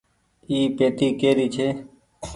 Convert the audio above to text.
اي پيتي ڪيري ڇي